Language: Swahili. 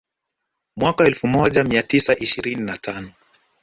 Mwaka elfu moja mia tisa ishirini na tano